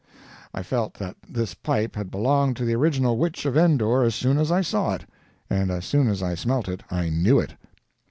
I felt that this pipe had belonged to the original Witch of Endor as soon as I saw it; and as soon as I smelt it, I knew it.